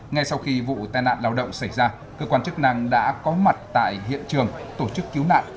ngay sau khi vụ tai nạn lao động xảy ra cơ quan chức năng đã có mặt tại hiện trường tổ chức cứu nạn